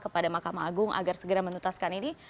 kepada mahkamah agung agar segera menutaskan ini